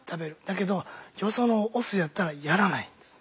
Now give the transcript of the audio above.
だけどよそのオスやったらやらないんです。